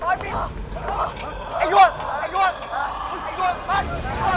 อย่ามีอีกคู่แล้ว